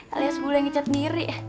alias bule yang icat miri